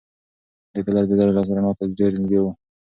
د ده لړزېدلی لاس رڼا ته ډېر نږدې و.